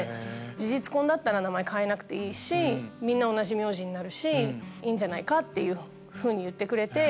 「事実婚だったら名前変えなくていいしみんな同じ名字になるしいいじゃないか」って言ってくれて。